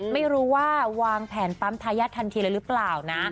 ไม่รู้ว่าวางแผนปั๊มทายาททันทีเลยหรือเปล่านะ